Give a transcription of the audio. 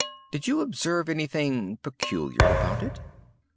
Did you observe any thing peculiar about it?"